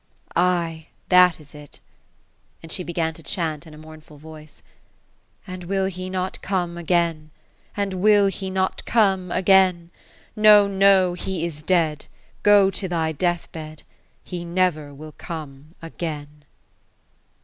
Ay, that is it 1" And she began to chant in a mournful voice: —^^' And will he not come again 1 And will he not come again J No. no, he is dead. Go to thy death bed, He never will come again.'